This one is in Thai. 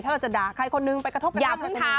ถ้าเราจะด่าใครคนนึงไปกระทบกระยาม